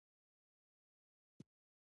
ـ يو ساعت بې شرمي وکړه تر بيګاه موړ ګرځه